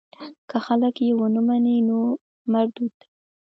که خلک یې ونه مني نو مردود دی.